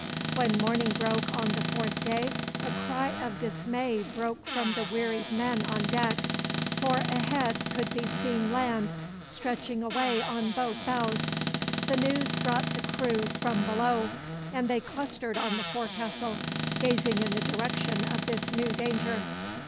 When morning broke on the fourth day a cry of dismay broke from the wearied men on deck, for ahead could be seen land, stretching away on both bows. The news brought the crew from below, and they clustered on the forecastle, gazing in the direction of this new danger.